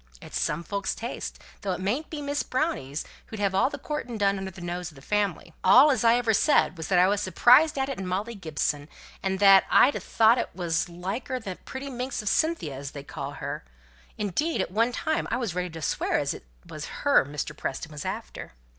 It's some folk's taste, though it mayn't be Miss Browning's, who'd have all the courting done under the nose of the family. All as ever I said was that I was surprised at it in Molly Gibson; and that I'd ha' thought it was liker that pretty piece of a Cynthia as they call her; indeed, at one time I was ready to swear as it was her Mr. Preston was after.